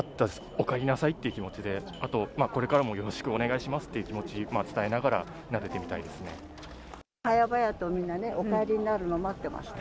おかえりなさいって気持ちで、あと、これからもよろしくお願いしますっていう気持ち、伝えながらなで早々とみんなね、お帰りになるのを待ってました。